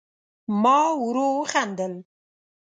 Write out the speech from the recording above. ما ورو وخندل